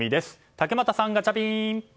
竹俣さん、ガチャピン。